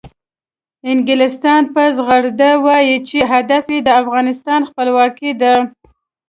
انګلستان په زغرده وایي چې هدف یې د افغانستان خپلواکي ده.